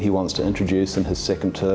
yang ingin dia introdusikan pada peringkat kedua